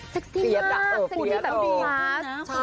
เซ็กซี่มาก